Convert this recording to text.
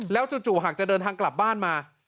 จู่หากจะเดินทางกลับบ้านมา